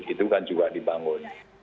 itu kan juga dibangun